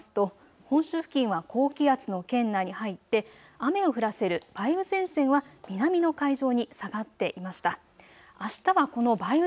きょうの天気図を重ねてみますと本州付近は高気圧の圏内に入って雨を降らせる梅雨前線は南の海上に下がっていました。